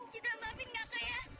citra citra maafin kakak ya